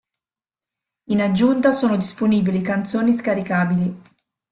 In aggiunta sono disponibili canzoni scaricabili.